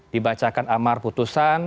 dibacakan amar putusan